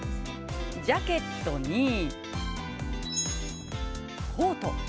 ジャケットに、コート。